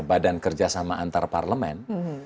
badan kerjasama antarparlemen